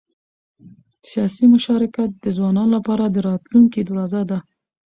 سیاسي مشارکت د ځوانانو لپاره د راتلونکي دروازه ده